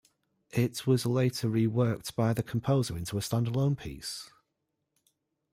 It was later re-worked by the composer into a stand-alone piece.